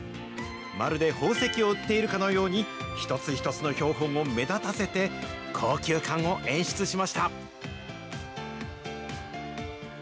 まるで宝石を売っているかのように、一つ一つの標本を目立たせて、高級感を演出しました。